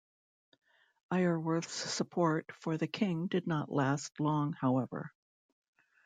Iorwerth's support for the king did not last long however.